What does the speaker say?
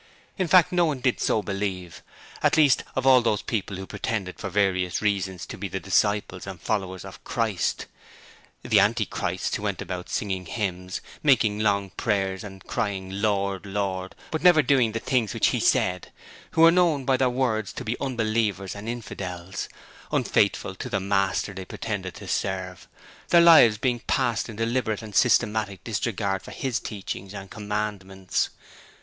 In fact, no one did so believe; and least of all those who pretended for various reasons to be the disciples and followers of Christ. The anti Christs who went about singing hymns, making long prayers and crying Lord, Lord, but never doing the things which He said, who were known by their words to be unbelievers and infidels, unfaithful to the Master they pretended to serve, their lives being passed in deliberate and systematic disregard of His teachings and Commandments.